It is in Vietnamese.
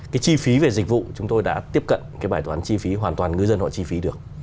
cái chi phí về dịch vụ chúng tôi đã tiếp cận cái bài toán chi phí hoàn toàn ngư dân họ chi phí được